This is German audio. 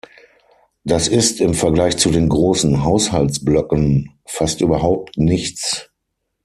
Das ist im Vergleich zu den großen Haushaltsblöcken fast überhaupt nichts.